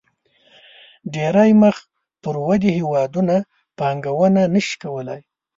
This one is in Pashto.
ډېری مخ پر ودې هېوادونه پانګونه نه شي کولای.